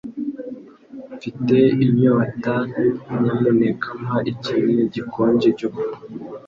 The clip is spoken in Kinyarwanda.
Mfite inyota. Nyamuneka mpa ikintu gikonje cyo kunywa.